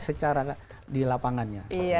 secara di lapangannya